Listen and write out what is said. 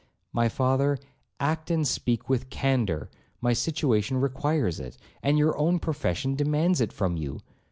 'My father, act and speak with candour, my situation requires it, and your own profession demands it from you.